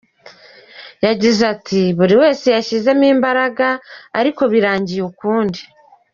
Yagize ati “ Buri wese yashyizemo imbaraga ariko birangiye ukundi.